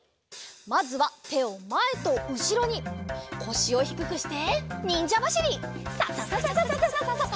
まずはてをまえとうしろにこしをひくくしてにんじゃばしり。ササササササ。